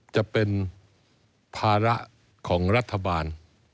จะเป็นภาระของรัฐบาล